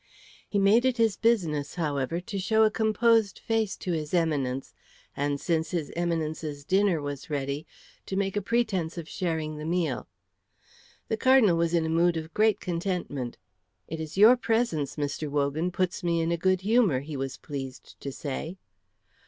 He made it his business, however, to show a composed face to his Eminence, and since his Eminence's dinner was ready, to make a pretence of sharing the meal. The Cardinal was in a mood of great contentment. "It is your presence, Mr. Wogan, puts me in a good humour," he was pleased to say.